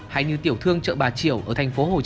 hãy như tiểu thương chợ bà triều ở thành phố hồ chí minh